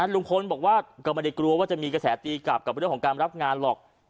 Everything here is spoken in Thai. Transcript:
ลุงพลบอกว่าก็ไม่ได้กลัวว่าจะมีกระแสตีกลับกับเรื่องของการรับงานหรอก